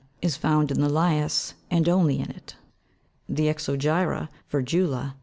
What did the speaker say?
55), is found in the has, and only in it : the ex'ogy'ra vir'gula (fig.